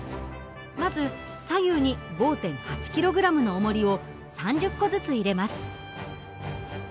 まず左右に５．８ｋｇのおもりを３０個ずつ入れます。